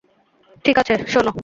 ঠিক আছে, শোন।